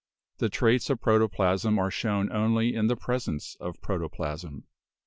The traits of protoplasm are shown only in the presence of protoplasm.